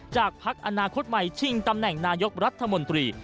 พักอนาคตใหม่ชิงตำแหน่งนายกรัฐมนตรี